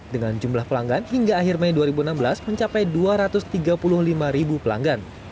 dengan jumlah pelanggan hingga akhir mei dua ribu enam belas mencapai dua ratus tiga puluh lima ribu pelanggan